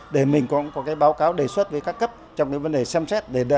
để mình có báo cáo đề xuất với các cấp trong vấn đề xem xét